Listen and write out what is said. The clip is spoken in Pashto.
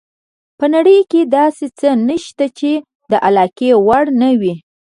په نړۍ کې داسې څه نشته چې د علاقې وړ نه وي.